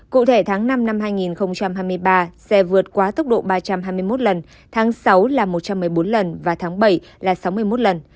trong ba tháng năm sáu bảy năm hai nghìn hai mươi ba xe này chạy quá tốc độ ba trăm hai mươi một lần tháng sáu là một trăm một mươi bốn lần và tháng bảy là sáu mươi một lần